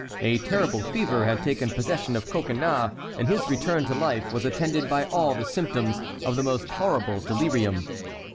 A terrible fever had taken possession of Coconnas and his return to life was attended by all the symptoms of the most horrible delirium.